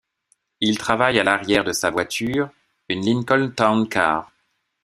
Il travaille à l’arrière de sa voiture, une Lincoln Town Car.